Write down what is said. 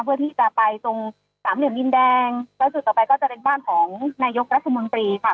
เพื่อที่จะไปตรงสามเหลี่ยมดินแดงแล้วจุดต่อไปก็จะเป็นบ้านของนายกรัฐมนตรีค่ะ